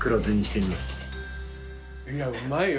いやうまいよ。